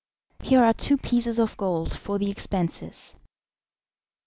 Here are two pieces of gold for the expenses."